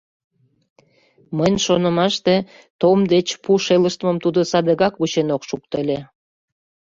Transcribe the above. Мыйын шонымаште, Том деч пу шелыштмым тудо садыгак вучен ок шукто ыле».